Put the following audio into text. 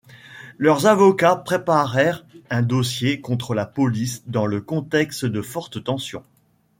Leurs avocats préparèrent un dossier contre la police dans le contexte de fortes tensions.